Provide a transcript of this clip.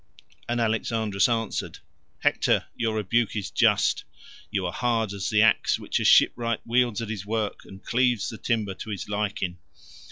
And Alexandrus answered, "Hector, your rebuke is just. You are hard as the axe which a shipwright wields at his work, and cleaves the timber to his liking.